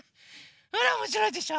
ほらおもしろいでしょ？